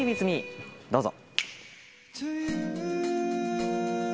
どうぞ。